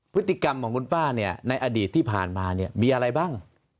พฤติกรรมของคุณป้าเนี่ยในอดีตที่ผ่านมาเนี่ยมีอะไรบ้าง